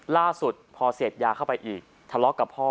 ล่าสุดพอเสพยาเข้าไปอีกทะเลาะกับพ่อ